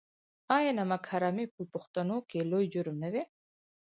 آیا نمک حرامي په پښتنو کې لوی جرم نه دی؟